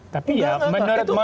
tapi ya menurut mas